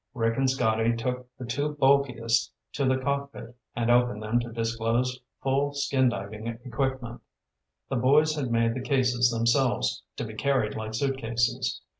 Rick and Scotty took the two bulkiest to the cockpit and opened them to disclose full skin diving equipment. The boys had made the cases themselves, to be carried like suitcases.